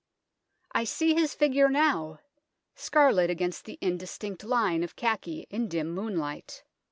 " I see his figure now, scarlet against the indistinct line of khaki in dim moonlight.